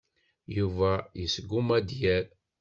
Yuba yesguma ad d-yerr.